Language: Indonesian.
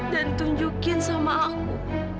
dan tunjukkan sama aku